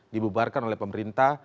dibubarkan oleh pemerintah